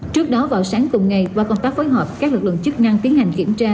trước đó vào sáng cùng ngày qua công tác phối hợp các lực lượng chức năng tiến hành kiểm tra